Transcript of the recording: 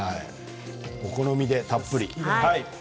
お好みでたっぷり。